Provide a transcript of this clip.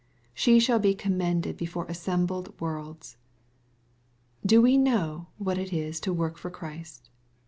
She shall be commended before assembled worlds. Do we know what it is to work for Christ